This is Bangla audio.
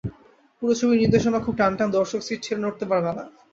পুরো ছবির নির্দেশনাও খুব টান টান, দর্শক সিট ছেড়ে নড়তে পারবে না।